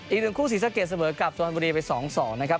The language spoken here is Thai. อีกหนึ่งคู่สีสะเกียจเสมอกับสวรรค์บุรีไป๒๒นะครับ